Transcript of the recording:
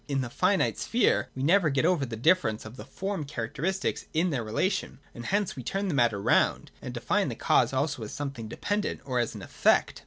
In the finite sphere we never get over the difference of the form characteristics in their relation : and hence we turn the matter round and define the cause also as something dependent or as an effect.